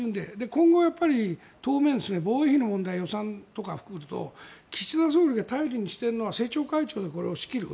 今後は当面、防衛費の問題とか岸田総理が頼りにしているのは政調会長でこれを仕切る。